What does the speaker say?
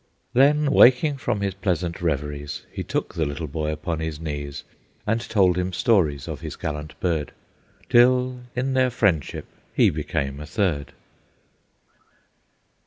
Then, waking from his pleasant reveries, He took the little boy upon his knees, And told him stories of his gallant bird, Till in their friendship he became a third.